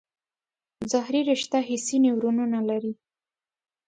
ظهري رشته حسي نیورونونه لري.